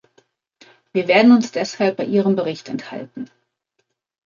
Wir werden uns deshalb bei Ihrem Bericht enthalten.